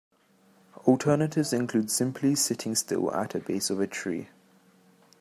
Alternatives include simply sitting still at the base of a tree.